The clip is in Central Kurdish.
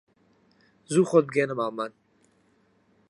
زوو خۆت بگەیەنە ماڵمان